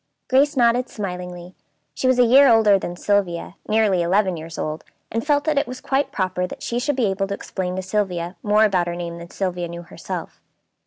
Grace nodded smilingly. She was a year older than Sylvia, nearly eleven years old, and felt that it was quite proper that she should be able to explain to Sylvia more about her name than Sylvia knew herself.